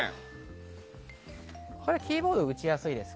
これはキーボード打ちやすいです。